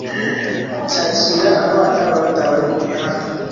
cyakira abana batawe kumihanda